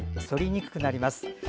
そりにくくなります。